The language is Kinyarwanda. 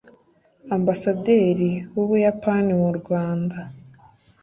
Ambasaderi w’u Buyapani mu Rwanda